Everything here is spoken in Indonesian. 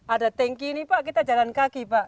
ada tanki ini pak kita jalan kaki pak